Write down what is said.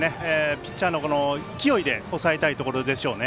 ピッチャーの勢いで抑えたいところでしょうね。